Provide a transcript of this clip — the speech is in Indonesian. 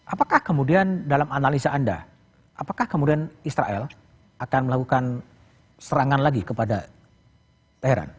apakah kemudian dalam analisa anda apakah kemudian israel akan melakukan serangan lagi kepada thailand